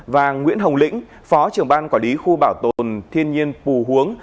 và nguyễn hồng lĩnh phó trưởng ban quản lý khu bảo tồn thiên nhiên pù hướng